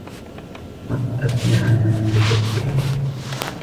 قَدْ أَفْلَحَ مَن تَزَكَّىٰ